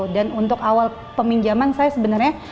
untuk awal peminjaman saya sebenarnya